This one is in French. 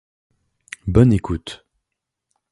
Bonne écoute!